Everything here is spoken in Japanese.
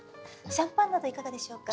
シャンパンなどいかがでしょうか？